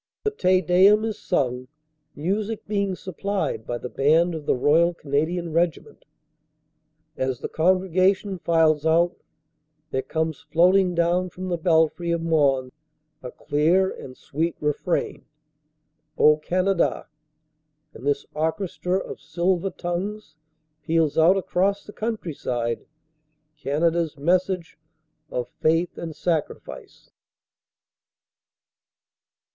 The Te Deum is sung, music being supplied by the band of the Royal Canadian Regiment. As the congregation files out there comes floating down from the belfry of Mons a clear and sweet refrain, "O Canada," and this orchestra of silver tongues peals out across the countryside Canada s message of faith and sacrifice.